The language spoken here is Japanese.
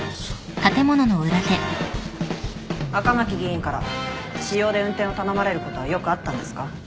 赤巻議員から私用で運転を頼まれることはよくあったんですか？